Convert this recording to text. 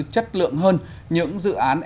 chất lượng hơn những dự án